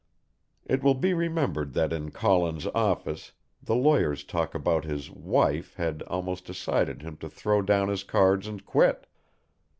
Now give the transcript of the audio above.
It will be remembered that in Collins' office, the lawyer's talk about his "wife" had almost decided him to throw down his cards and quit.